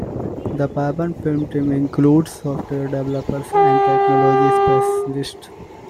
The Pyburn Film team includes software developers and technology specialists.